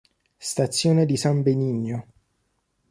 Stazione di San Benigno